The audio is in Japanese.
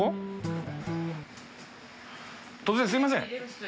突然すいません。